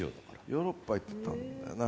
ヨーロッパ行ってたんだよな。